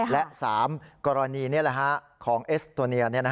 และ๓กรณีของเอสโตเนีย